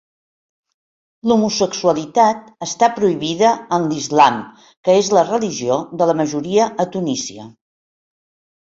L'homosexualitat està prohibida en l'islam, que és la religió de la majoria a Tunísia.